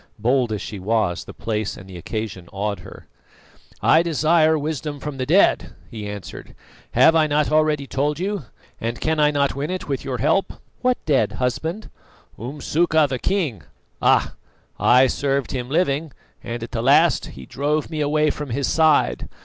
Bold as she was, the place and the occasion awed her. "I desire wisdom from the dead!" he answered. "Have I not already told you, and can I not win it with your help?" "What dead, husband?" "Umsuka the king. Ah! I served him living, and at the last he drove me away from his side.